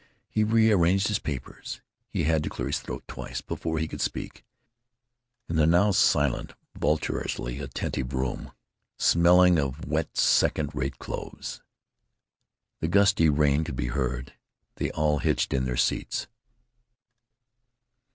He re arranged his papers. He had to clear his throat twice before he could speak, in the now silent, vulturishly attentive room, smelling of wet second rate clothes. The gusty rain could be heard. They all hitched in their seats.